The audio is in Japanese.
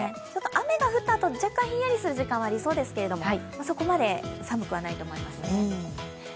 雨が降ったあと、若干ひんやりする時間はありそうですけど、そこまで寒くはないと思いますね。